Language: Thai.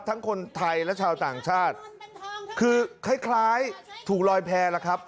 ทั้งคนไทยและชาวต่างชาติคือคล้ายถูกลอยแพ้แล้วครับ